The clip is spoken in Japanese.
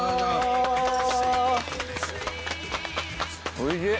おいしい！